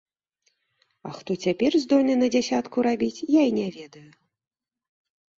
А хто цяпер здольны на дзясятку рабіць, я і не ведаю.